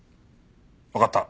わかった。